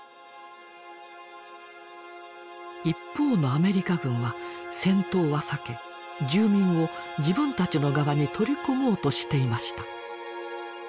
一方のアメリカ軍は戦闘は避け住民を自分たちの側に取り込もうとしていました。